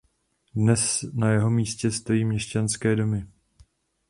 Dnes na jeho místě stojí měšťanské domy.